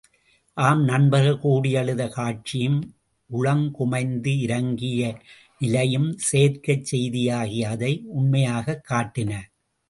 அந் நண்பர்கள் கூடியழுத காட்சியும் உளங்குமைந்து இரங்கிய நிலையும் செயற்கைச் செய்தியாகிய அதை, உண்மையாகக் காட்டின.